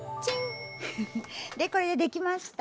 でこれでできました。